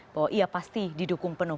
bahwa ia pasti didukung penuh